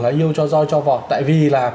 là yêu cho roi cho vọt tại vì là